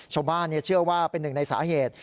ชาวบ้านเชื่อว่าเป็นหนึ่งในสาเหตุ